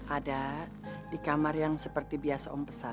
ada di kamar yang seperti biasa om pesan